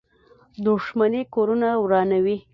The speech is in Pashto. • دښمني کورونه ورانوي.